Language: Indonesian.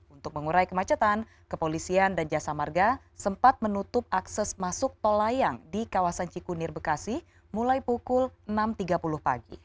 untuk mengurai kemacetan kepolisian dan jasa marga sempat menutup akses masuk tol layang di kawasan cikunir bekasi mulai pukul enam tiga puluh pagi